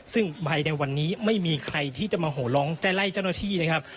ซึ่งภายในวันนี้ไม่มีใครที่จะมาโหร้องจะไล่เจ้าหน้าที่นะครับ